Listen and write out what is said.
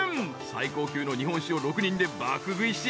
［最高級の日本酒を６人で爆食いし